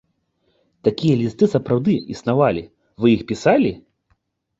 Такія лісты сапраўды існавалі, вы іх пісалі?